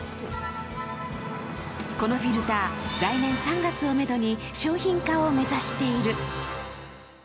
このフィルター、来年３月をめどに商品化を目指している。